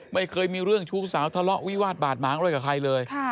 ไม่เคยมีเรื่องชู้สาวทะเลาะวิวาดบาดหมางอะไรกับใครเลย